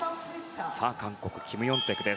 韓国、キム・ヨンテク。